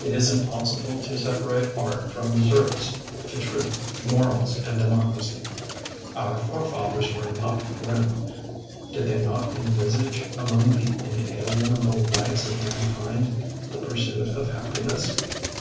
It is impossible to separate art from the service to truth, morals, and democ racy. Our forefathers were not "grim" ; did they not envisage among the inalienable rights of mankind "the pursuit of happiness"?